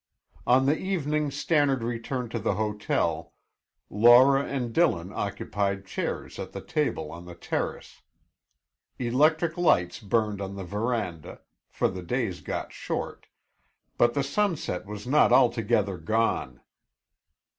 On the evening Stannard returned to the hotel, Laura and Dillon occupied chairs at the table on the terrace. Electric lights burned on the veranda, for the days got short, but the sunset was not altogether gone.